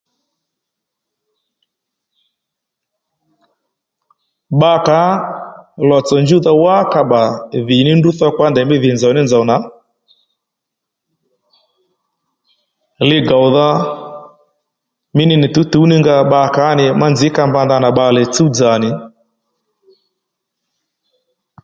Bba kǎ lòtsò njúwdha wá ka bbà dhì ní ndrǔ dhokpǎ ndèymí dhì nzòw ní nzòw nà li gòwdha mí ní nì tǔw tǔw ní nga bba kǎ nì cha nzǐ ka mba ndanà bbalè tsúw dzà nì